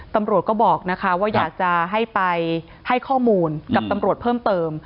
ตำรวจก็บอกนะคะว่าอยากจะให้ไปให้ข้อมูลกับตำรวจเพิ่มเติม